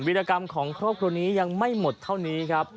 รกรรมของครอบครัวนี้ยังไม่หมดเท่านี้ครับ